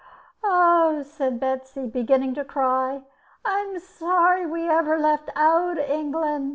"Oh!" said Betsy, beginning to cry; "I'm sorry we ever left owd England.